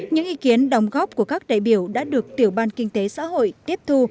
những ý kiến đồng góp của các đại biểu đã được tiểu ban kinh tế xã hội tiếp thu